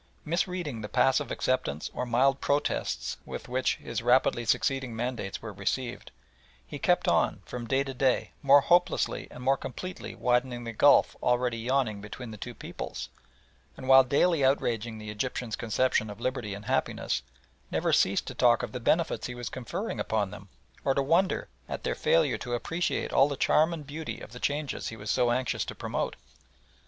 Misreading the passive acceptance or mild protests with which his rapidly succeeding mandates were received, he kept on, from day to day, more hopelessly and more completely widening the gulf already yawning between the two peoples, and while daily outraging the Egyptians' conception of liberty and happiness, never ceased to talk of the benefits he was conferring upon them, or to wonder at their failure to appreciate all the charm and beauty of the changes he was so anxious to promote.